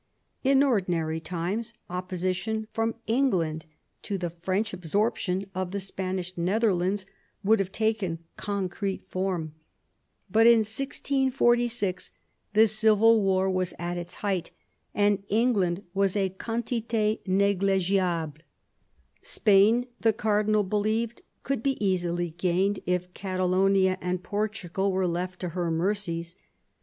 In ordinary times opposition from England to the French absorption of the Spanish Netherlands would have taken concrete form, but in 1646 the Civil War was at its height, and England was a guantiU rUgligedble, Spain, the cardinal believed, could be easily gained if Catalonia and Portugal were left to her mercies.